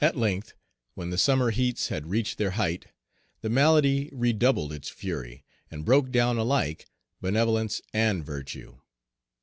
At length, when the summer heats had reached their height, the malady redoubled its fury, and broke down alike benevolence and virtue.